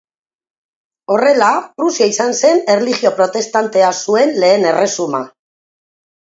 Horrela, Prusia izan zen erlijio protestantea zuen lehen erresuma.